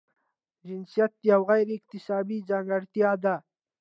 جنسیت یوه غیر اکتسابي ځانګړتیا ده.